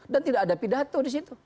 dan tidak ada pidato di situ